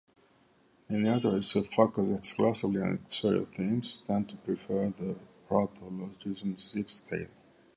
Miniaturists who focus exclusively on exterior themes tend to prefer the protologism sixthscale.